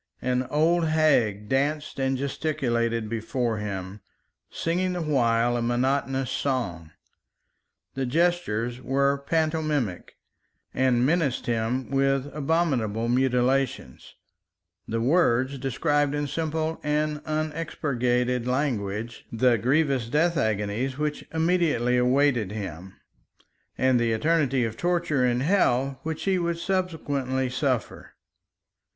An old hag danced and gesticulated before him, singing the while a monotonous song. The gestures were pantomimic and menaced him with abominable mutilations; the words described in simple and unexpurgated language the grievous death agonies which immediately awaited him, and the eternity of torture in hell which he would subsequently suffer.